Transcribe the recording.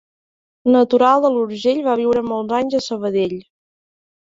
Natural de l'Urgell, va viure molts anys a Sabadell.